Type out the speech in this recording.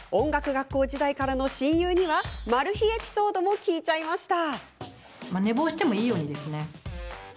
学校時代からの親友にはマル秘エピソードも聞いちゃいました。